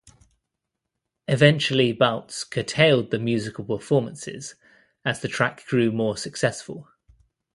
Eventually Baltes curtailed the musical performances as the track grew more successful.